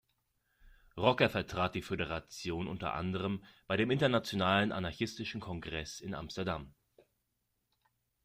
Rocker vertrat die Föderation unter anderem bei dem Internationalen Anarchistischen Kongress in Amsterdam.